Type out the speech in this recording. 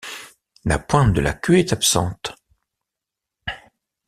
La pointe de la queue est absente.